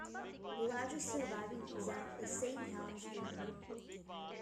The largest surviving example is Saint Helens Duver.